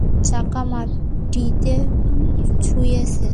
চাকা মাটিতে ছুঁয়েছে?